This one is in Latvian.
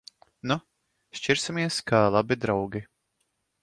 Nu! Šķirsimies kā labi draugi.